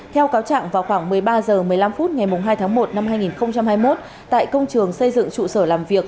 theo cáo trạng vào khoảng một mươi ba h một mươi năm phút ngày hai tháng một năm hai nghìn hai mươi một tại công trường xây dựng trụ sở làm việc